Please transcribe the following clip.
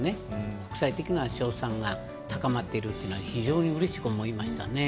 国際的な称賛が高まっているというのは非常にうれしく思いましたね。